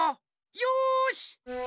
よし！